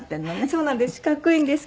そうなんです。